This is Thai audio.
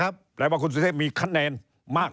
แปลว่าคุณสุเทพมีคะแนนมาก